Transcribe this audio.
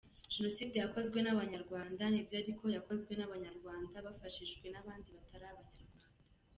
Jenoside yakozwe n’Abanyarwanda nibyo ariko yakozwe n’Abanyarwanda bafashijwe n’abandi batari Abanyarwanda.